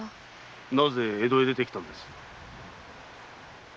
なぜ江戸へ出て来たのです？